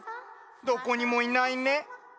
どこにもいないね。